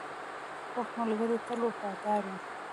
پوخ ملګری تل وفادار وي